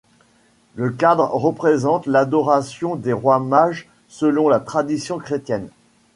Le cadre représente l’adoration des Rois Mages selon la tradition chrétienne.